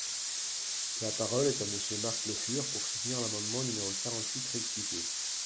La parole est à Monsieur Marc Le Fur, pour soutenir l’amendement numéro quarante-huit rectifié.